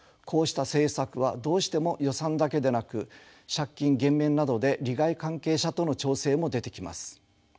こうした政策はどうしても予算だけでなく借金減免などで利害関係者との調整も出てきます。